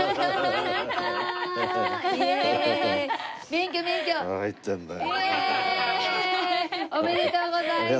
イエイ！おめでとうございます！